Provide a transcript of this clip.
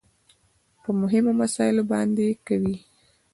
په مهمو مسايلو باندې کوي .